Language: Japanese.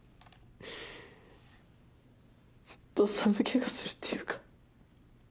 ずっと寒気がするっていうか。